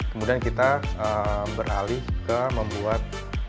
kemudian kita beralih ke membuat